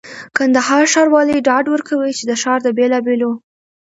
کندهار ښاروالي ډاډ ورکوي چي د ښار د بېلابېلو